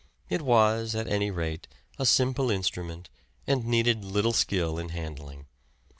It was, at any rate, a simple instrument and needed little skill in handling.